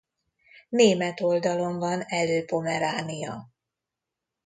Német oldalon van Elő-Pomeránia.